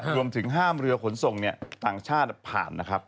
รวมถึงห้ามเรือขนส่งต่างชาติผ่านนะครับ